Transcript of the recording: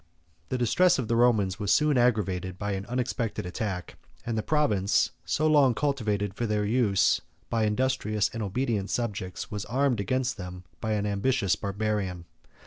The distress of the Romans was soon aggravated by an unexpected attack; and the province, so long cultivated for their use by industrious and obedient subjects, was armed against them by an ambitious Barbarian.